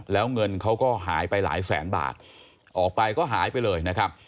แล้วเงินเขาก็หายไปหลายแสนบาทออกไปก็หายไปเลยนะครับ